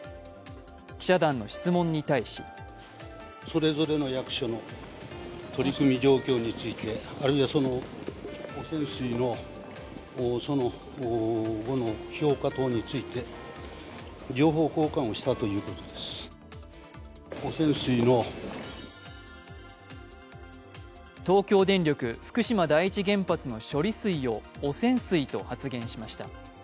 記者団の質問に対し東京電力・福島第一原発の処理水を汚染水と発言しました。